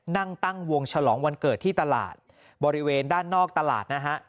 นั่งตั้งวงฉลองวันเกิดที่ตลาดบริเวณด้านนอกตลาดนะฮะ